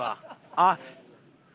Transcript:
あっ。